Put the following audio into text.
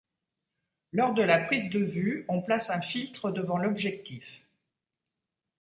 Lors de la prise de vue, on place un filtre devant l’objectif.